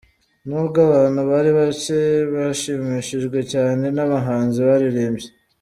N'ubwo abantu bari bacye bashimishijwe cyane n'abahanzi baririmbye.